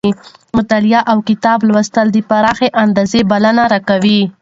مطالعه اوکتاب لوستل د پراخې اندازې بلنه راکوي.